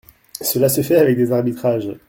Cela se fait avec des arbitrages.